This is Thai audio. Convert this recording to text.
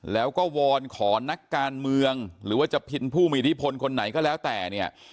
แล้วก็วอนขอนักการเมืองหรือว่าจะพินผู้มีอิทธิพลคนไหนก็แล้วแต่เนี่ย